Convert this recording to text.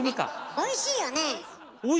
おいしいですよね。